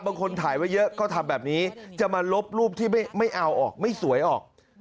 คนถ่ายไว้เยอะเขาทำแบบนี้จะมาลบรูปที่ไม่เอาออกไม่สวยออก